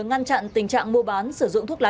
ngăn chặn tình trạng mua bán sử dụng thuốc lá